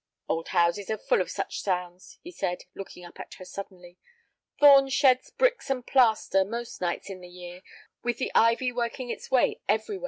"Old houses are full of such sounds," he said, looking up at her suddenly. "Thorn sheds bricks and plaster most nights in the year, with the ivy working its way everywhere."